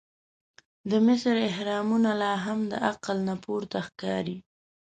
د مصر احرامونه لا هم د عقل نه پورته ښکاري.